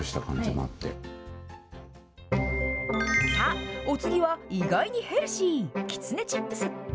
さあ、お次は意外にヘルシー、きつねチップス。